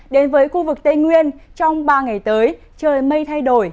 đến với khu vực tây nguyên trong ba ngày tới trời mây thay đổi